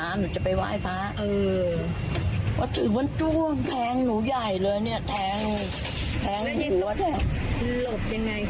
ถ้าไม่รับมีดมันนะมันจะแพงหนูอีก